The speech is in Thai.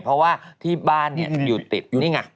เพราะว่าที่บ้านอยู่ติดนี่ไง